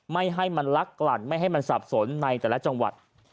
ไม่ให้มันลักกลั่นไม่ให้มันสับสนในแต่ละจังหวัด